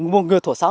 một người thổ sáo